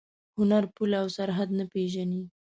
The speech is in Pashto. هنر پوله او سرحد نه پېژني.